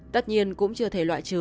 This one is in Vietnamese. tất nhiên cũng chưa thể loại trừ